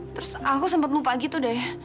terus aku sempat lupa gitu deh